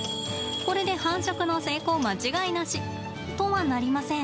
これで繁殖の成功間違いなしとはなりません。